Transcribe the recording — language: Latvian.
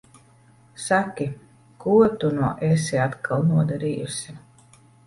Saki, ko tu nu esi atkal nodarījusi?